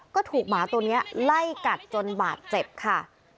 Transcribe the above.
ก็ถูกหมาตัวนี้ไล่กัดจนบาดเจ็บค่ะ